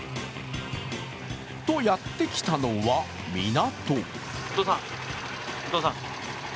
とやってきたのは、港。